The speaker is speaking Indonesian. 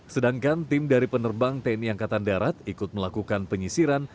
sedangkan tim dari penerbang tni angkatan darat ikut melakukan penyisiran